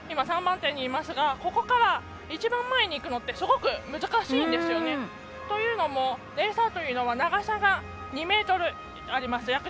ここから、一番前にいくのってすごく、難しいんですよね。というのも、レーサーというのは長さが約２ｍあります。